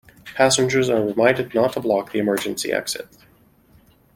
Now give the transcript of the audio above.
Passengers are reminded not to block the emergency exits.